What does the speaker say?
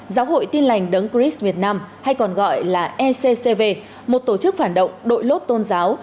giáo hội tin lành đấng christ việt nam hay còn gọi là eccv một tổ chức phản động đội lốt tôn giáo